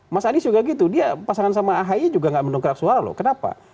mas anies juga gitu dia pasangan sama ahy juga nggak mendongkrak suara loh kenapa